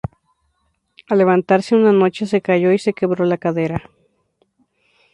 Al levantarse, una noche, se cayó y se quebró la cadera.